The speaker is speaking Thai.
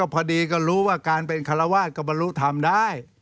พอดีก็รู้ว่าการเป็นคารวาสก็บรรลุธรรมได้